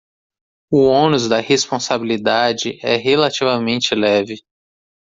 O ônus da responsabilidade é relativamente leve